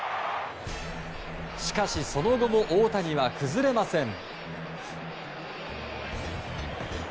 しかし、その後も大谷は崩れません。